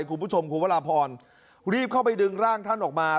คุณผู้ชมคุณวราพรรีบเข้าไปดึงร่างท่านออกมา